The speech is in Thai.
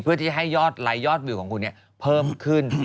เพื่อที่ให้ยอดไลคยอดวิวของคุณเพิ่มขึ้น